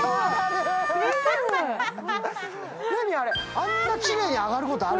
あんなきれいに上がることある？